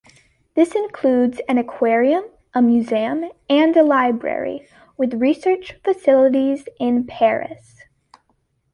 This includes an aquarium, a museum, and a library, with research facilities in Paris.